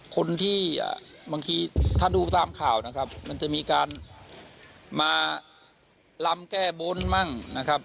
คนที่บางทีถ้าดูตามข่าวนะครับมันจะมีการมาลำแก้บนมั่งนะครับ